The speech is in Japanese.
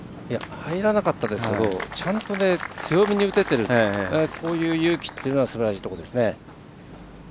入らなかったですけどちゃんと強めに打てているこういう勇気っていうのはすばらしいところです。